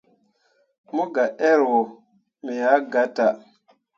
Mu gah err wo, me ah gatah.